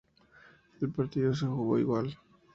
El partido se jugó igual.